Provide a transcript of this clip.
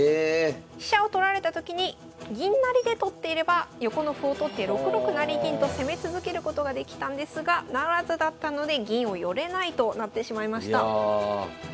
飛車を取られたときに銀成りで取っていれば横の歩を取って６六成銀と攻め続けることができたんですが不成だったので銀を寄れないとなってしまいました。